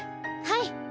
はい。